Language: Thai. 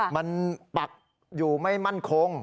มันปักอยู่ไม่มั่นคง